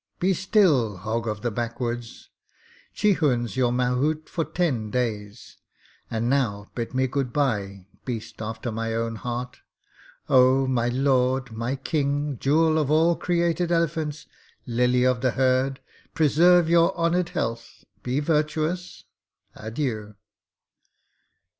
'Be still, hog of the backwoods. Chihun's your mahout for ten days. And now bid me good bye, beast after mine own heart. Oh, my lord, my king! Jewel of all created elephants, lily of the herd, preserve your honoured health; be virtuous. Adieu!'